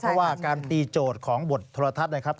เพราะว่าการตีโจทย์ของบทโทรทัศน์นะครับ